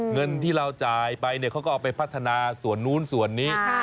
เงินที่เราจ่ายไปเขาก็เอาไปพัฒนาส่วนนู้นส่วนนี้